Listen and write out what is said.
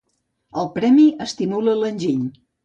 El premi estimula l'enginy.